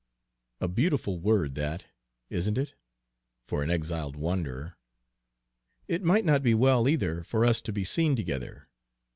a beautiful word that, isn't it, for an exiled wanderer? It might not be well, either, for us to be seen together.